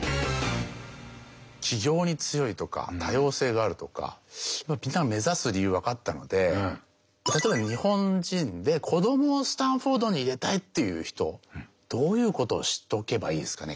起業に強いとか多様性があるとかみんなが目指す理由分かったので例えば日本人で子どもをスタンフォードに入れたいっていう人どういうことを知っておけばいいですかね